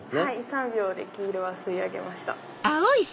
３秒で黄色は吸い上げました。